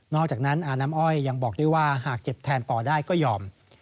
อกจากนั้นอาน้ำอ้อยยังบอกด้วยว่าหากเจ็บแทนปอได้ก็ยอม